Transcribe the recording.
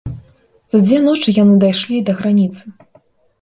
За дзве ночы яны дайшлі да граніцы.